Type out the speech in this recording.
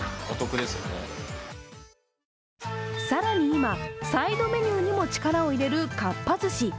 更に今、サイドメニューにも力を入れるかっぱ寿司。